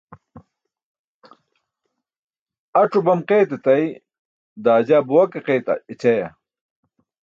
Ac̣o bam qayt etay, daa jaa buwa ke qayt ecayaa?